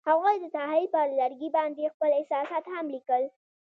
هغوی د ساحل پر لرګي باندې خپل احساسات هم لیکل.